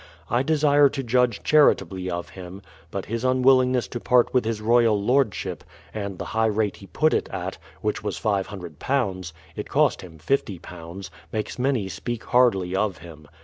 I desire to judge charitably of him ; but his unwillingness to part with his royal lordship, and the high rate he put it at, which was £500, — it cost him £50, — makes many speak hardly of him.